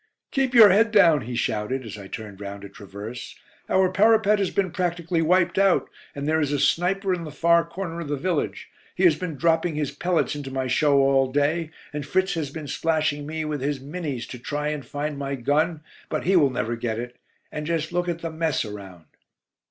"Keep your head down," he shouted, as I turned round a traverse. "Our parapet has been practically wiped out, and there is a sniper in the far corner of the village. He has been dropping his pellets into my show all day, and Fritz has been splashing me with his 'Minnies' to try and find my gun, but he will never get it. Just look at the mess around."